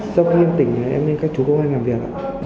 sau khi em tỉnh em lên các chú công an làm việc